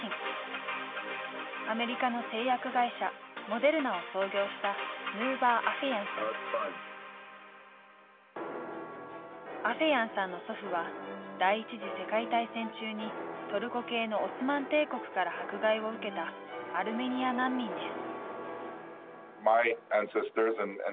アメリカの製薬会社アフェヤンさんの祖父は第一次世界大戦中にトルコ系のオスマン帝国から迫害を受けたアルメニア難民です。